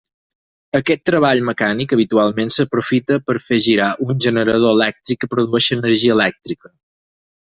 Aquest treball mecànic habitualment s'aprofita per fer girar un generador elèctric que produeix l'energia elèctrica.